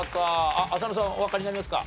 あっ浅野さんおわかりになりますか？